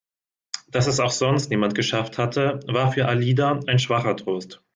Dass es auch sonst niemand geschafft hatte, war für Alida ein schwacher Trost.